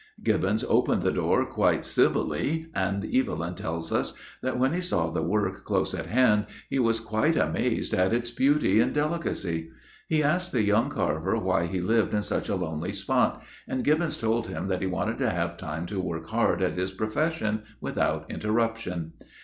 Gibbons opened the door quite civilly, and Evelyn tells us that when he saw the work close at hand he was quite amazed at its beauty and delicacy. He asked the young carver why he lived in such a lonely spot, and Gibbons told him that he wanted to have time 'to work hard at his profession without interruption.